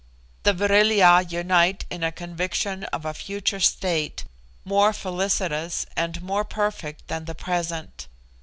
The Vril ya unite in a conviction of a future state, more felicitous and more perfect than the present.